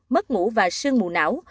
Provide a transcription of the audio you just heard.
mất ngủ và sương mù não